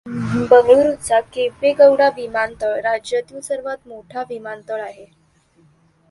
बंगळूरचा केंपेगौडा विमानतळ राज्यातील सर्वात मोठा विमानतळ आहे.